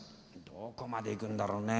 どこまで行くんだろうね。